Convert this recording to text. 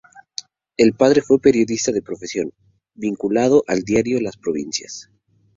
El padre fue periodista de profesión, vinculado al diario Las Provincias.